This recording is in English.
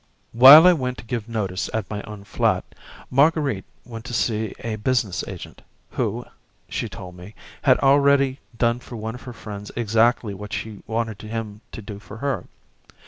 While I went to give notice at my own flat, Marguerite went to see a business agent, who, she told me, had already done for one of her friends exactly what she wanted him to do for her.